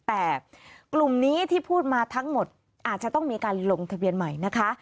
แต่กลุ่มนี้ที่พูดมาทั้งหมดอาจจะต้องมีการลงทะเบียนใหม่นะคะ